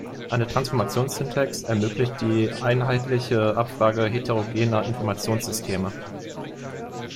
Eine Transformations-Syntax ermöglicht die einheitliche Abfrage heterogener Informationssysteme.